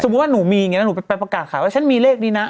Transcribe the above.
ว่าหนูมีอย่างนี้แล้วหนูไปประกาศขายว่าฉันมีเลขนี้นะ